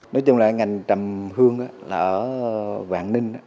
nói chung là ngành trầm hương ở vạn ninh